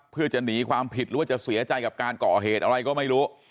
เพื่อจะหนีความผิดหรือว่าจะเสียใจกับการก่อเหตุอะไรก็ไม่รู้